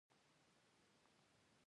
ایا زه باید د سینې ټسټ وکړم؟